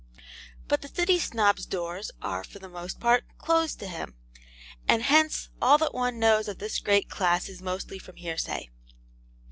but the City Snob's doors are, for the most part, closed to him; and hence all that one knows of this great class is mostly from hearsay.